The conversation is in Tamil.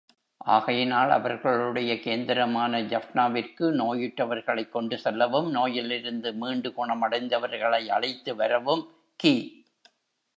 ஆகையினால் அவர்களுடைய கேந்திரமான ஜஃப்னா விற்கு நோயுற்றவர்களைக் கொண்டு செல்லவும், நோயிலிருந்து மீண்டு குணமடைந்தவர்களை அழைத்துவரவும் கி.